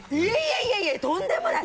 いえいえとんでもない！